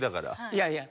いやいや。